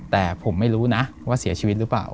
แต่ผมไม่รู้นะว่าเสียชีวิตหรือเปล่า